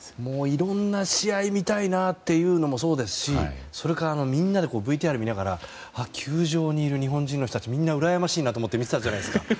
いろんな試合を見たいなというのもそうですしみんなでＶＴＲを見ながら球場にいる日本人の人たちみんなうらやましいなと思って見てたんじゃないですか。